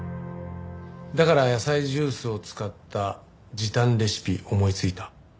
だから野菜ジュースを使った時短レシピ思いついた。